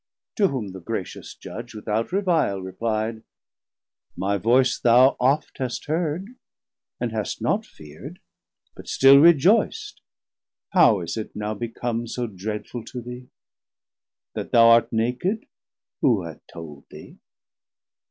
To whom The gracious Judge without revile repli'd. My voice thou oft hast heard, and hast not fear'd, But still rejoyc't, how is it now become 120 So dreadful to thee? that thou art naked, who Hath told thee?